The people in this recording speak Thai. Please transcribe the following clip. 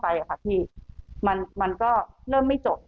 พอเริ่มซ่อมไปมันก็เริ่มไม่จบ